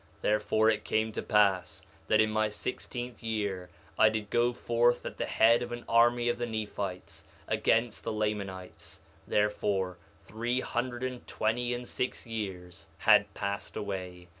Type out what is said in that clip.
2:2 Therefore it came to pass that in my sixteenth year I did go forth at the head of an army of the Nephites, against the Lamanites; therefore three hundred and twenty and six years had passed away.